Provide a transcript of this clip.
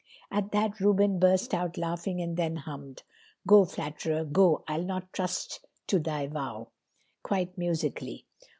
At that Reuben burst out laughing and then hummed: "'Go, flatterer, go, I'll not trust to thy vow,'" quite musically.